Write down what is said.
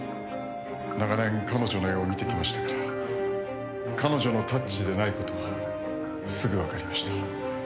長年彼女の絵を見てきましたから彼女のタッチでない事はすぐわかりました。